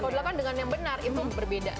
kalau dilakukan dengan yang benar itu berbeda